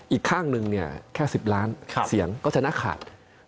อีกข้างหนึ่งเนี่ยแค่๑๐ล้านเสียงก็ชนะขาด